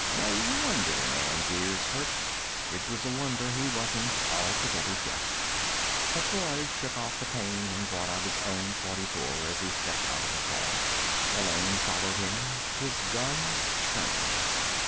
No wonder the man's ears hurt. It was a wonder he wasn't altogether deaf. But Boyd shook off the pain and brought out his own .44 as he stepped out of the car. Malone followed him, his gun trained.